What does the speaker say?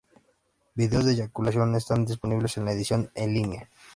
Videos de eyaculación están disponibles en la edición en línea.